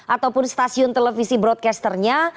ataupun stasiun televisi broadcasternya